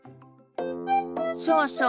そうそう。